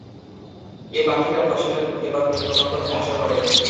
এ পাখিরা ফসলের ক্ষতিকর কীটপতঙ্গ ধ্বংস করে।